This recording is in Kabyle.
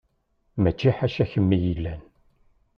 Mačči ḥaca kemm i yellan.